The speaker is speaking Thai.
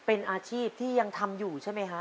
เป็นอาชีพที่ยังทำอยู่ใช่ไหมคะ